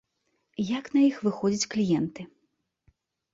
Як на іх выходзяць кліенты?